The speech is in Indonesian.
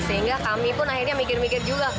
sehingga kami pun akhirnya mikir mikir juga